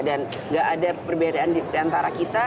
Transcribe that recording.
dan nggak ada perbedaan antara kita